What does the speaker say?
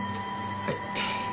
はい。